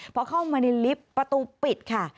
พอเข้ามาในลิฟต์ประตูปิดค่ะ